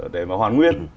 để mà hoàn nguyên